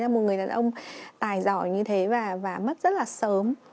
là một người đàn ông tài giỏi như thế và mất rất là sớm